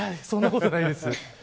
そんなことないです。